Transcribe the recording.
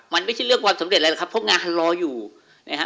มันไม่ใช่เรื่องความสำเร็จอะไรหรอกครับเพราะงานรออยู่นะฮะ